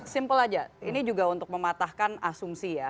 simpel aja ini juga untuk mematahkan asumsi ya